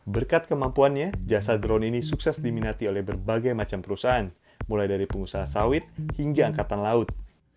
berkat kemampuannya jasa drone ini sukses diminati oleh berbagai macam perusahaan mulai dari pengusaha sawit hingga angkatan laut